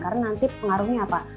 karena nanti pengaruhnya apa